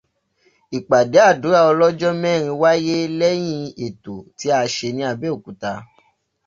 Ìpàdé àdúrà ọlọ́jọ́ mẹ́rin wáyé lẹ́yìn ètò tí a ṣe ní Abẹ́òkuta